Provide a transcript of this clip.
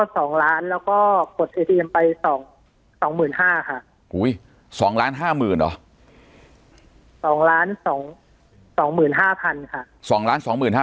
ปากกับภาคภูมิ